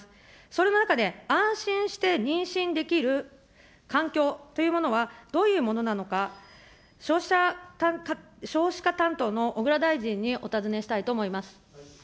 それの中で安心して妊娠できる環境というものは、どういうものなのか、少子化担当の小倉大臣にお尋ねしたいと思います。